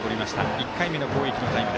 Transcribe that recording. １回目の攻撃のタイム。